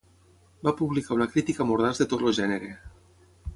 Va publicar una crítica mordaç de tot el gènere.